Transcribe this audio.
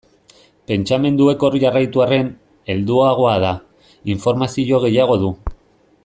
Pentsamenduek hor jarraitu arren, helduagoa da, informazio gehiago du.